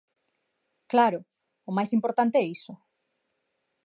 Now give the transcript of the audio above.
Claro, o máis importante é iso.